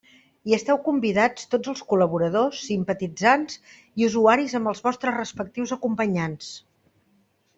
Hi esteu convidats tots els col·laboradors, simpatitzants i usuaris amb els vostres respectius acompanyants.